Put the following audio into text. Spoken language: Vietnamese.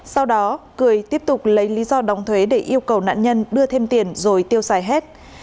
sau đó cười tiếp tục lấy lý do đóng thuế để yêu cầu nạn nhân đưa thêm tiền rồi tiêu xài hết